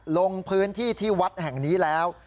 ลงพื้นที่ที่วัดแห่งนี้แล้ว